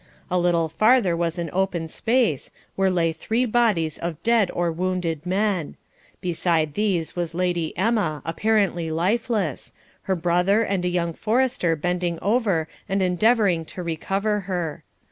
A little farther was an open space, where lay three bodies of dead or wounded men; beside these was Lady Emma, apparently lifeless, her brother and a young forester bending over and endeavouring to recover her.